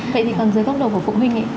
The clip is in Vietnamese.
vậy thì còn dưới góc độ của phụ huynh ấy